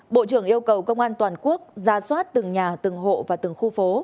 bộ trưởng yêu cầu công an toàn quốc gia soát từng nhà từng hộ và từng khu phố